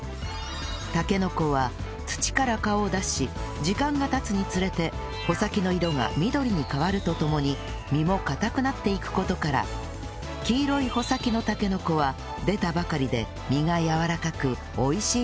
たけのこは土から顔を出し時間が経つにつれて穂先の色が緑に変わるとともに身も堅くなっていく事から黄色い穂先のたけのこは出たばかりで身がやわらかく美味しい